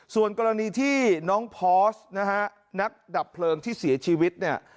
ส่วนกรณีที่น้องพอสนะฮะนักดับเพลิงที่เสียชีวิตเนี่ย